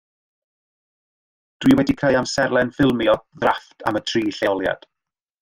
Dwi wedi creu amserlen ffilmio ddrafft am y tri lleoliad